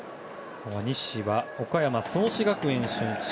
西は岡山・創志学園出身